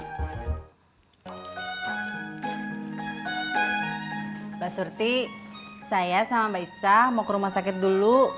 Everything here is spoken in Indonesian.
mbak surti saya sama mbak isa mau ke rumah sakit dulu